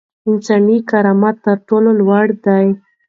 انساني کرامت تر ټولو لوړ دی.